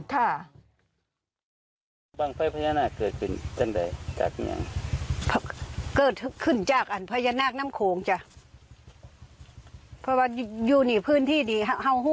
ซาเมืองนึงเขามาเก้าหาว่าเป็นการเงียงเปลือนไหมครับ